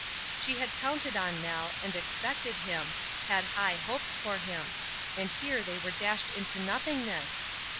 She had counted on Nell, and expected him, had high hopes for him; and here they were dashed into nothingness!